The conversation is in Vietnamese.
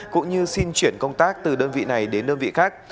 cũng như xin chuyển công tác từ đơn vị này đến đơn vị khác